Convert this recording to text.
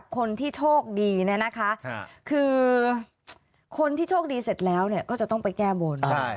คนที่โชคดีเนี่ยนะคะคือคนที่โชคดีเสร็จแล้วก็จะต้องไปแก้บน